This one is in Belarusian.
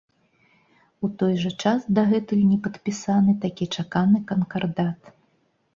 У той жа час дагэтуль не падпісаны такі чаканы канкардат.